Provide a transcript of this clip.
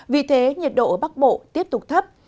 vì thế nhiệt độ ở bắc bộ tiếp tục thấp